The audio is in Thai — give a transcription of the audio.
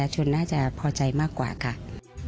ฉันอาจพอใจมากกว่ากัน